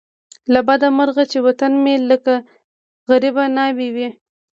له بده مرغه چې وطن مې لکه غریبه ناوې وو.